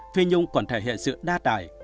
phi nhung còn thể hiện sự đa tài